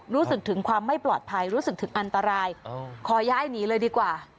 รู้สึกถึงความไม่ปลอดภัยรู้สึกถึงอันตรายขอย้ายหนีเลยดีกว่า